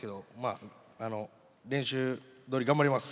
あの練習どおり頑張ります。